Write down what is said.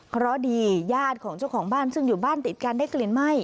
เพราะดีญาติของเจ้าของบ้านซึ่งอยู่บ้านติดกันได้กลิ่นไหม้